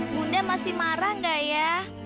bunda masih marah nggak ya